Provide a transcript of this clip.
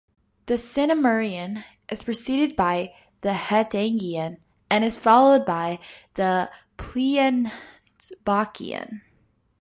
The Sinemurian is preceded by the Hettangian and is followed by the Pliensbachian.